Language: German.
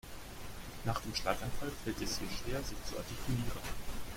Nach dem Schlaganfall fällt es ihr schwer sich zu artikulieren.